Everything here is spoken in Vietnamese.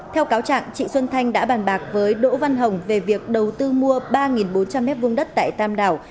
theo cáo trạng chị xuân thanh đã bàn bạc với đỗ văn hồng về việc đầu tư mua ba bốn trăm linh m hai đất tại tam đảo